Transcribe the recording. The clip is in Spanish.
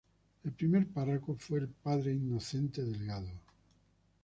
El primer párroco fue el padre Inocente Delgado.